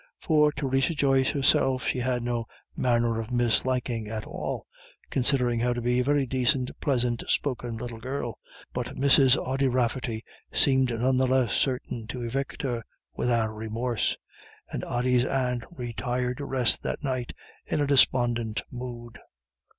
For Theresa Joyce herself she had no manner of misliking at all, considering her to be "a very dacint plisant spoken little girl," but Mrs. Ody Rafferty seemed none the less certain to evict her without remorse. And Ody's aunt retired to rest that night in a despondent mood.